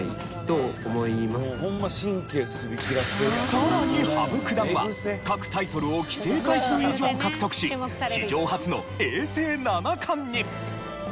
さらに羽生九段は各タイトルを規定回数以上獲得し史上初の永世七冠に！